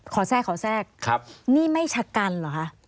ขอแทรกนี่ไม่ฉกันเหรอคะ